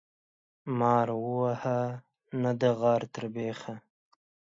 مار وهه ، نه د غار تر بيخه.